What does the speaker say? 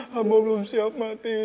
hamba belum siap mati